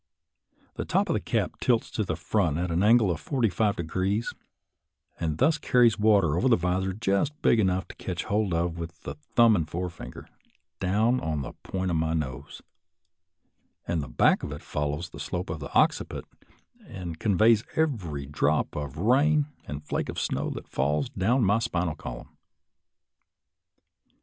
The top of the cap tilts to the front at an angle of forty five degrees, and thus carries water over a visor just big enough to catch hold of with the thumb and forefinger, down on the point of my nose, and the back of it follows the slope of the occiput, and conveys every drop of rain or flake of snow that falls, down my spinal column.